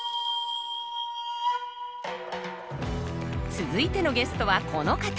続いてのゲストはこの方。